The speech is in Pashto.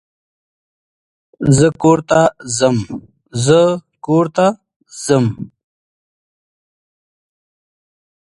زه کور ته ځم.